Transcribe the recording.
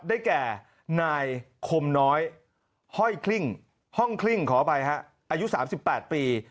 ได้แก่นายคมน้อยห้อยคลิ้งห้องคลิ้งขออภัยฮะอายุ๓๘ปี